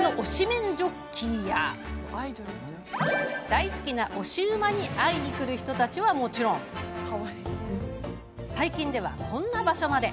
メンジョッキーや大好きな推し馬に会いに来る人たちは、もちろん最近では、こんな場所まで。